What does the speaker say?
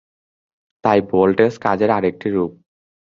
তাই ভোল্টেজ কাজের আরেকটি রূপ।